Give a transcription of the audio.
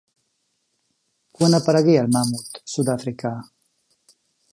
Quan aparegué el mamut sud-africà?